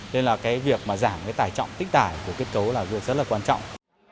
nên là cái việc mà giảm cái tải trọng tích tải của kết cấu là việc rất là quan trọng